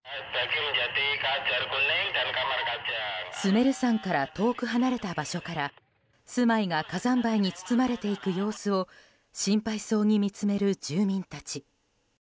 スメル山から遠く離れた場所から住まいが火山灰に包まれていく様子を心配そうに見つめる住民たち。